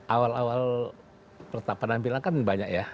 awal awal penampilan kan banyak ya